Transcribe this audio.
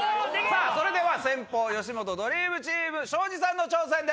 それでは先攻吉本ドリームチーム庄司さんの挑戦です。